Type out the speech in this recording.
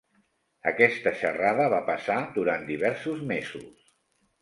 Aquesta xerrada va passar durant diversos mesos.